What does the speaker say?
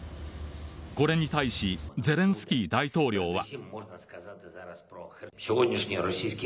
これに対しゼレンスキー大統領は。